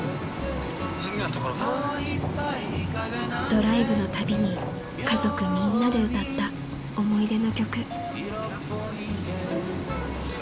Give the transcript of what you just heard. ［ドライブのたびに家族みんなで歌った思い出の曲］